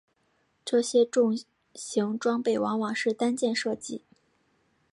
这些重型装备往往是单件设计。